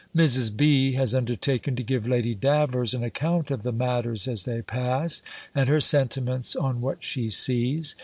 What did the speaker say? Mrs. B. has undertaken to give Lady Davers an account of the matters as they pass, and her sentiments on what she sees.